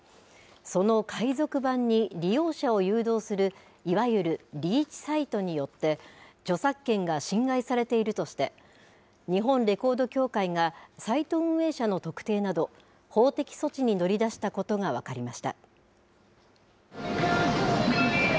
その海賊版に利用者を誘導するいわゆるリーチサイトによって著作権が侵害されているとして日本レコード協会がサイト運営社の特定など法的措置に乗り出したことが分かりました。